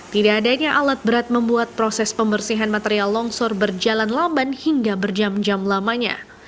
tidak adanya alat berat membuat proses pembersihan material longsor berjalan lamban hingga berjam jam lamanya